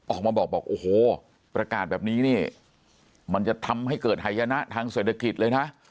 ออกมาบอกบอกโอ้โหประกาศแบบนี้นี่มันจะทำให้เกิดหายนะทางเศรษฐกิจเลยนะ